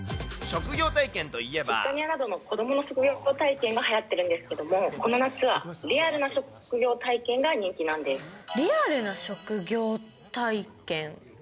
キッザニアなどの子どもの職業体験がはやってるんですけども、この夏はリアルな職業体験が人気リアルな職業体験？